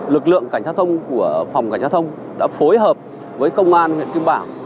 lực lượng cảnh sát thông của phòng cảnh sát thông đã phối hợp với công an huyện kim bảo